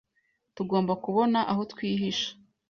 Tugomba kubona aho twihisha.